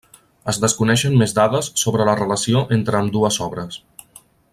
Es desconeixen més dades sobre la relació entre ambdues obres.